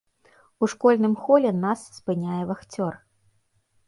У школьным холе нас спыняе вахцёр.